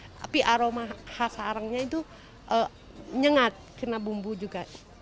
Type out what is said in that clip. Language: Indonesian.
tapi aroma khas arangnya itu nyengat kena bumbu juga